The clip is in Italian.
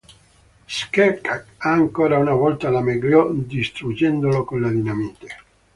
Squeak ha ancora una volta la meglio, distruggendolo con la dinamite.